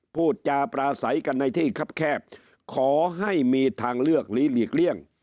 พูดจาปราศัยกันในที่ครับแคบขอให้มีทางเลือกหรือหลีกเลี่ยง